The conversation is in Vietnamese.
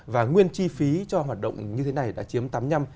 và nguyên chi phí cho hoạt động như thế này đã chiếm tám mươi năm